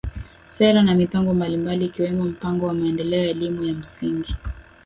Sera na mipango mbalimbali ikiwemo mpango wa maendeleo ya elimu ya msingi